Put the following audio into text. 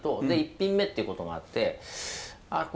で一品目っていうこともあってあ